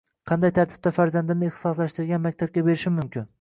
Qanday tartibda farzandimni ixtisoslashtirilgan maktabga berishim mumkin?